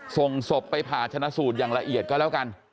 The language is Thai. ส่งศพไปผ่าชนะสูตรอย่างละเอียดก็แล้วกัน